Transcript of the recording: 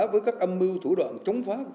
với các âm mưu thủ đoạn chống phá